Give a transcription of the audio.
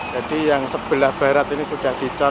jadi yang sebelah barat ini sudah dicot